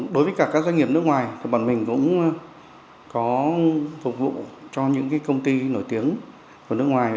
đối với cả các doanh nghiệp nước ngoài thì bọn mình cũng có phục vụ cho những công ty nổi tiếng của nước ngoài